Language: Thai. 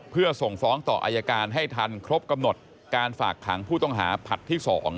เพื่อส่งฟ้องต่ออายการให้ทันครบกำหนดการฝากขังผู้ต้องหาผัดที่๒